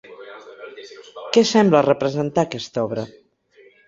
Què sembla representar aquesta obra?